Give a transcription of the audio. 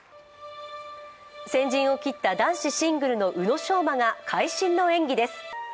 先陣を切った男子シングルの宇野昌磨が会心の演技です。